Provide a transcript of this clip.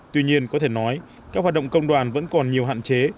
tuy nhiên có thể nói các hoạt động công đoàn vẫn còn nhiều hạn chế